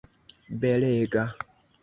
belega